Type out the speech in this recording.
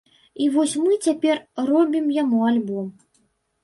І вось мы цяпер робім яму альбом.